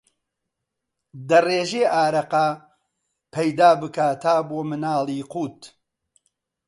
دەڕێژێ ئارەقە، پەیدا بکا تا بۆ مناڵی قووت